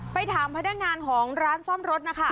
ไปถามพนักงานของร้านซ่อมรถนะคะ